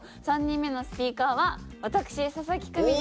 ３人目のスピーカーは私佐々木久美です。